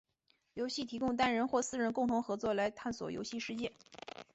游戏提供单人或四人共同合作来探索游戏世界。